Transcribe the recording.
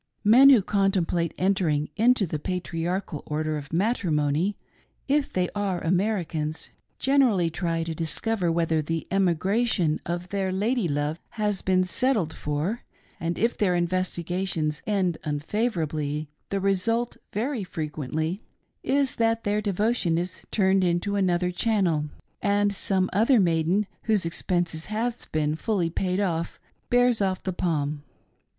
Men who contemplate entering into the patriarchal order of matrimony, if they are Americans, generally try to discover whether the "emigration" of their lady love has been "settled for," and if their investigations end unfavorably the result, very frequently is that their devotion is turned into another channel and some . other maiden whose expenses have been fully paid bears off the palm.